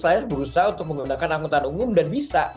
saya berusaha untuk menggunakan angkutan umum dan bisa